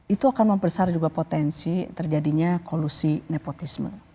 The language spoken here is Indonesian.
itu akan mempersar juga potensi terjadinya kolusi nepotisme